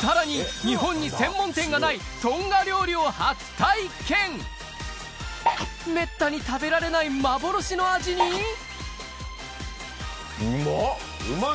さらに日本に専門店がないトンガ料理を初体験めったに食べられない幻の味にうま！